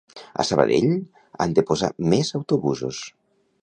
A Sabadell han de posar més autobusos